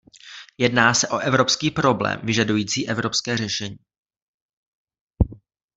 Jedná se o evropský problém, vyžadující evropské řešení.